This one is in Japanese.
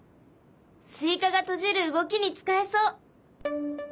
スイカが閉じる動きに使えそう。